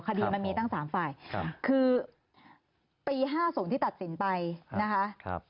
คดีมันมีตั้ง๓ฝ่ายคือปี๕๐ที่ตัดสินไปนะคะ